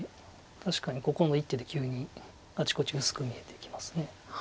確かにここの１手で急にあちこち薄く見えてきます。